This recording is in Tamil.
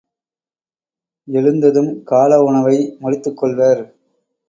எழுந்ததும் கால உணவை முடித்துக் கொள்வர்.